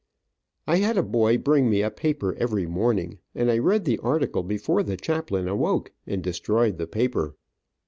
I had a boy bring me a paper every morning, and I read the article before the chaplain awoke, and destroyed the paper.